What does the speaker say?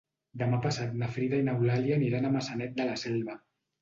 Demà passat na Frida i n'Eulàlia aniran a Maçanet de la Selva.